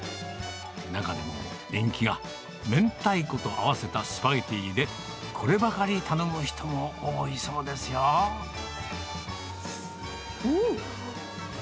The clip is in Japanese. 中でも、人気は明太子と合わせたスパゲティで、こればかり頼む人も多いそうん！